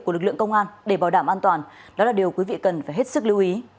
của lực lượng công an để bảo đảm an toàn đó là điều quý vị cần phải hết sức lưu ý